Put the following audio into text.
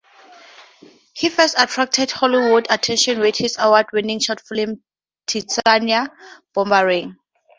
He first attracted Hollywood's attention with his award-winning short film "Titsiana Booberini".